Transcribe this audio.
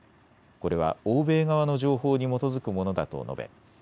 これは欧米側の情報に基づくものだと述べ